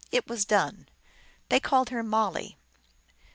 It was done. They called her Molly.